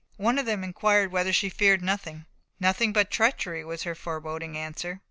One of them inquired whether she feared nothing. "Nothing but treachery," was her foreboding answer.